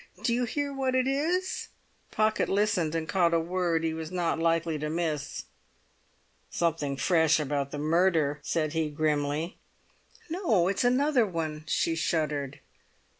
"Do you hear what it is?" Pocket listened, and caught a word he was not likely to miss. "Something fresh about the murder," said he grimly. "No; it's another one," she shuddered.